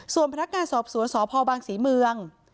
ส่วนพนักงานสอบสวนสพบางศรีเมือง